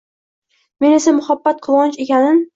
Men esa muhabbat quvonch ekanin